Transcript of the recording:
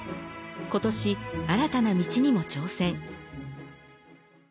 今年新たな道にも挑戦。